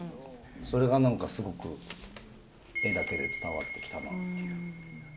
それがなんかすごく絵だけで伝わってきたなっていう。